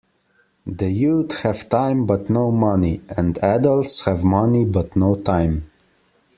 The youth have time but no money and adults have money but no time.